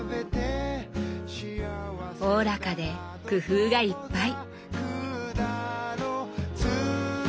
おおらかで工夫がいっぱい。